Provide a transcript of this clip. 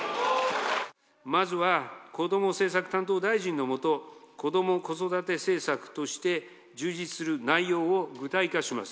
まずはこども政策担当大臣の下、子ども・子育て政策として、充実する内容を具体化します。